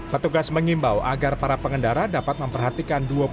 petugas mengimbau agar para pengendara dapat memperhatikan